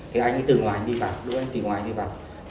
thì anh ấy từ ngoài đi vào đối với anh ấy từ ngoài đi vào